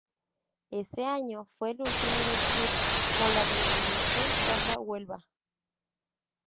Ese año fue el último del club con la denominación Caja Huelva.